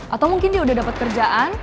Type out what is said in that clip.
atau mungkin dia udah dapat kerjaan